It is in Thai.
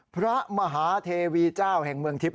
พระมหาเทวีเจ้าแห่งเมืองทิพย